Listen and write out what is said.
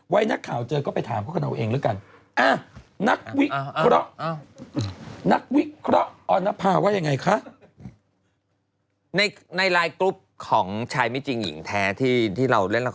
นักข่าวเจอก็ไปถามเขากันเอาเองแล้วกัน